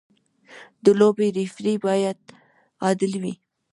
د لوبې ریفري باید عادل وي.